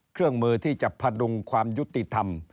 เครื่องมือที่จะพดุงความยุติธรรม